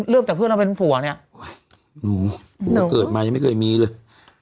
จากเพื่อนเราเป็นผัวเนี่ยเกิดมายังไม่เคยมีเลย